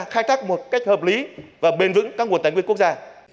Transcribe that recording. khai thác một cách hợp lý và bền vững các nguồn tài nguyên quốc gia